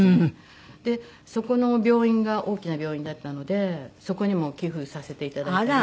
でそこの病院が大きな病院だったのでそこにも寄付させて頂いたり。